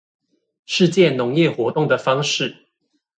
世界農業活動的方式